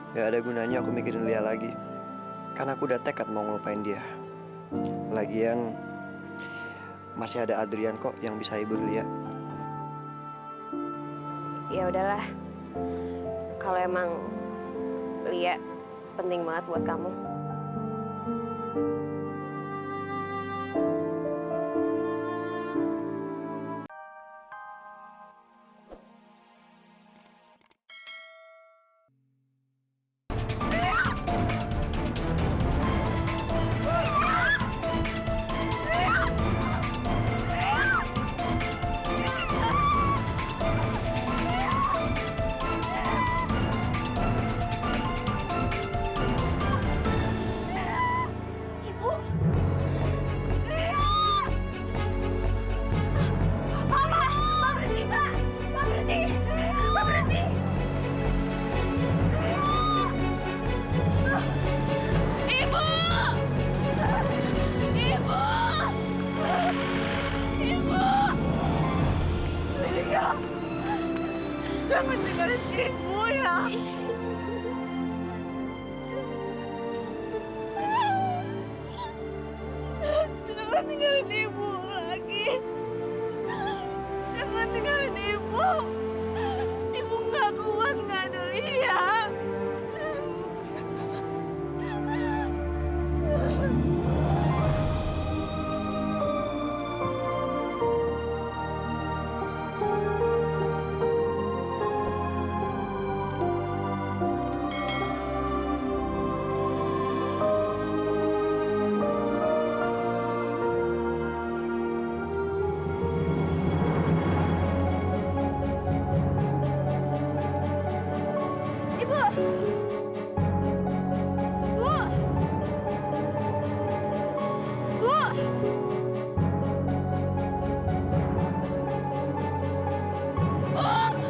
sampai jumpa di video selanjutnya